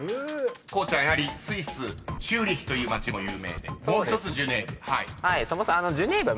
［こうちゃんやはりスイスチューリヒという街も有名でもう１つジュネーブ］